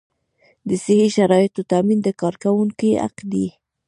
د صحي شرایطو تامین د کارکوونکي حق دی.